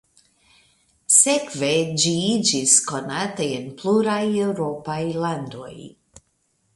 Sekve ŝi iĝis konata en pluraj eŭropaj landoj.